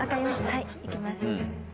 はいいきます。